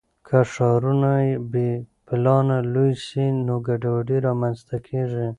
که ښارونه بې پلانه لوی سي نو ګډوډي رامنځته کیږي.